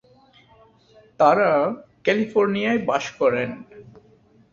তাঁরা ক্যালিফোর্নিয়ায় বাস করেন।